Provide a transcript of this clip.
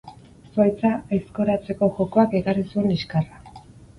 Zuhaitza aizkoratzeko jokoak ekarri zuen liskarra.